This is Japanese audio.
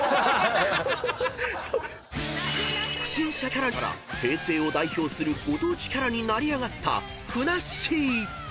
［不審者キャラから平成を代表するご当地キャラに成り上がったふなっしー］